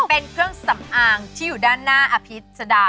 เป็นเครื่องสำอางที่อยู่ด้านหน้าอภิษดา